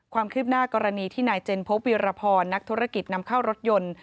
ความคืบหน้ากรณีที่นายเจนพบวีรพรนักธุรกิจนำเข้ารถยนต์